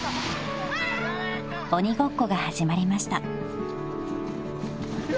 ［鬼ごっこが始まりました］